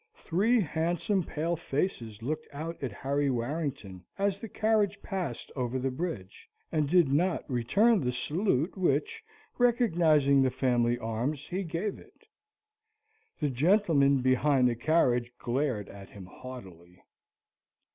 Three handsome pale faces looked out at Harry Warrington as the carriage passed over the bridge, and did not return the salute which, recognising the family arms, he gave it. The gentleman behind the carriage glared at him haughtily.